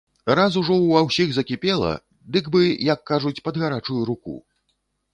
Раз ужо ўва ўсіх закіпела, дык бы, як кажуць, пад гарачую руку.